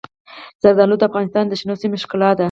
زردالو د افغانستان د شنو سیمو ښکلا ده.